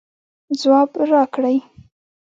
ځواب راکړئ